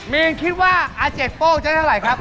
มีนคิดว่าอาเจ็ดโป้งจะได้เท่าไหร่ครับ